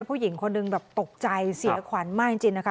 ผู้หญิงคนหนึ่งแบบตกใจเสียขวัญมากจริงนะคะ